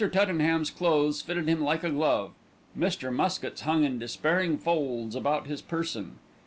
Tuddenham's clothes fitted him like a glove; Mr. Muskett's hung in despairing folds about his person.